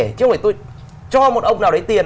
chứ không phải tôi cho một ông nào đấy tiền